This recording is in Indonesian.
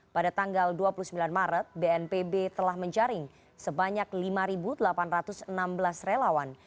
pada tanggal dua puluh sembilan maret bnpb telah menjaring sebanyak lima delapan ratus enam belas relawan